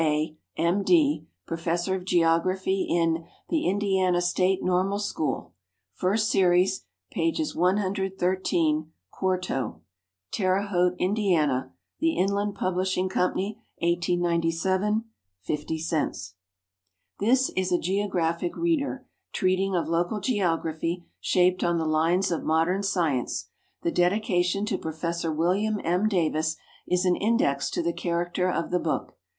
A., M. D., Professor of Geography in The Indiana State Normal School. First series. Pp. 113, quarto. Terre Haute, Indiana: The Inland Publishing Company. 1897. 50 cents. This is a geographic reader, treating of local geography, shaped on the lines of modern science. The dedication to Professor William M. Davis is an index to the character of the book.